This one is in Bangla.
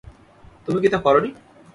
তুমি কি তা করোনি?